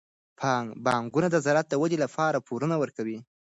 بانکونه د زراعت د ودې لپاره پورونه ورکوي.